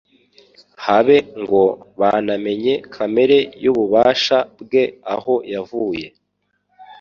habe ngo banamenye kamere y'ububasha bwe aho yavuye.